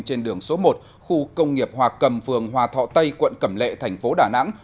trên đường số một khu công nghiệp hòa cầm phường hòa thọ tây quận cẩm lệ tp đà nẵng